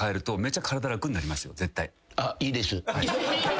あっいいです。